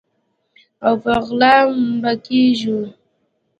او په غلا مړه کیږو